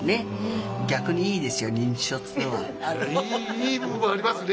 いい部分もありますね。